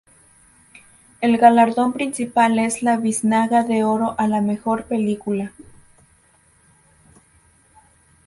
El galardón principal es la Biznaga de Oro a la Mejor Película.